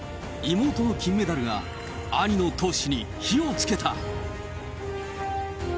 妹の金メダルが、兄の闘志に火をつけた。